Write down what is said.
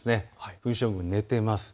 冬将軍、寝ています。